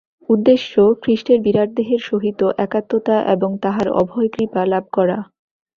উদ্দেশ্য খ্রীষ্টের বিরাট দেহের সহিত একাত্মতা এবং তাঁহার অভয় কৃপা লাভ করা।